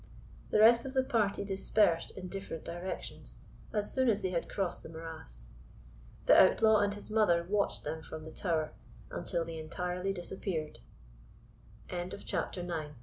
The rest of the party dispersed in different directions, as soon as they had crossed the morass. The outlaw and his mother watched them from the tower, until they entirely disapp